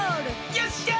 よっしゃ！